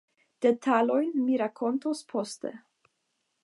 Detalojn mi rakontos poste.